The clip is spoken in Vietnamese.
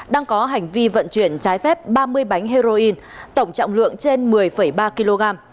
đang có hành vi vận chuyển trái phép ba mươi bánh heroin tổng trọng lượng trên một mươi ba kg